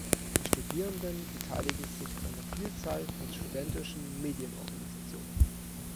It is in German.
Die Studierenden beteiligen sich an einer Vielzahl von studentischen Medienorganisationen.